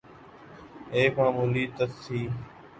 ایک معمولی تصحیح